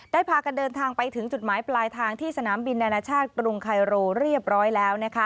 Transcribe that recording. พากันเดินทางไปถึงจุดหมายปลายทางที่สนามบินนานาชาติกรุงไคโรเรียบร้อยแล้ว